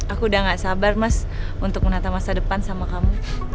aku udah gak sabar mas untuk menata masa depan sama kamu